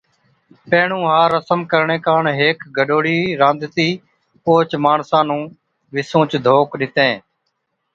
پيھڻُون ھا رسم ڪرڻي ڪاڻ ھيڪ گڏوڙھِي رانڌتِي اوھچ ماڻسا نُون وِسُونچ ڌوڪ ڏِتين